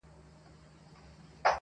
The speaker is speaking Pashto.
سفر دی بدل سوی- منزلونه نا اشنا دي-